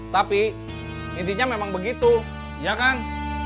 tapi intinya memang begitu ya kan